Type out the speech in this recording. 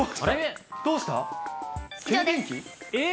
どうした？